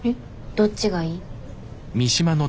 どっちがいい？